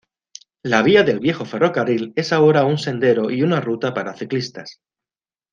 La vía del viejo ferrocarril es ahora un sendero y una ruta para ciclistas.